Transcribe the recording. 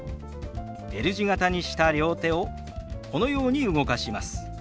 Ｌ字形にした両手をこのように動かします。